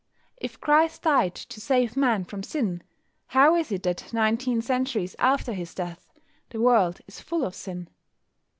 If Christ died to save Man from sin, how is it that nineteen centuries after His death the world is full of sin?